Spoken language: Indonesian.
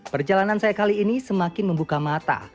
perjalanan saya kali ini semakin membuka mata